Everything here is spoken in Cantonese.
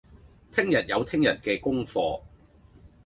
聽日有聽日嘅功課